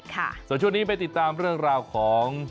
ส่วนช่วงนี้ไปติดตามเรื่องราวของ